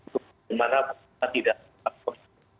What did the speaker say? kemana kita tidak akan berkembang